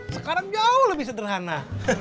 sekarang jauh lebih sederhana